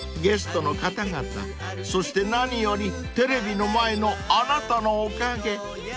ゲストの方々そして何よりテレビの前のあなたのおかげ］